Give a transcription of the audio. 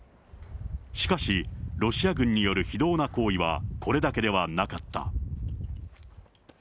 しかしロシア軍による非道な行為はこれだけではなかった。